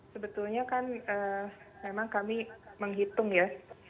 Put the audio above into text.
sebetulnya kan memang kami menghitung ya